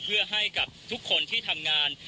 เพื่อให้กับทุกคนที่ทำงาน